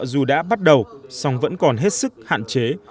dù đã bắt đầu song vẫn còn hết sức hạn chế